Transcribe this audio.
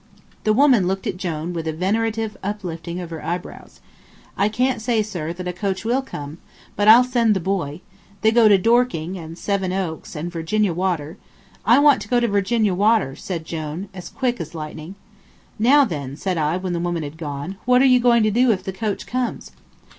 The woman looked at Jone with a venerative uplifting of her eyebrows. "I can't say, sir, that a coach will come, but I'll send the boy. They go to Dorking, and Seven Oaks, and Virginia Water " "I want to go to Virginia Water," said Jone, as quick as lightning. "Now, then," said I, when the woman had gone, "what are you going to do if the coach comes?"